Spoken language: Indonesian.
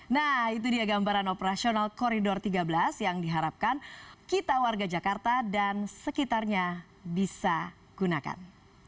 nah itu dia gambaran operasional koridor tiga belas yang diharapkan kita warga jakarta dan sekitarnya bisa gunakan